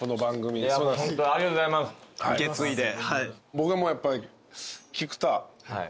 僕はもうやっぱり。